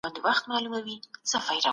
له ناحقه ډډه وکړئ.